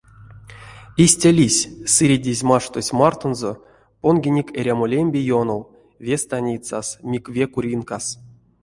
Истя лиссь — сыредезь-маштозь мартонзо понгинек эрямо лембе ёнов, ве станицас, мик ве куринкас.